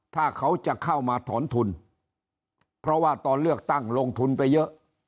ถ้าเขาจะเข้ามาถอนทุนเพราะว่าตอนเลือกตั้งลงทุนไปเยอะ